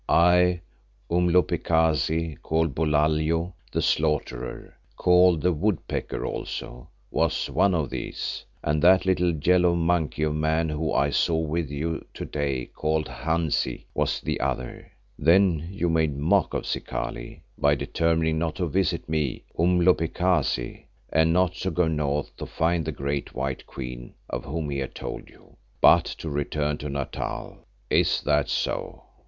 I, Umhlopekazi, called Bulalio the Slaughterer, called the Woodpecker also, was one of these, and that little yellow monkey of a man whom I saw with you to day, called Hansi, was the other. Then you made a mock of Zikali by determining not to visit me, Umhlopekazi, and not to go north to find the great white Queen of whom he had told you, but to return to Natal. Is that so?"